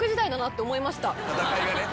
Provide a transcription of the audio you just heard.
戦いがね。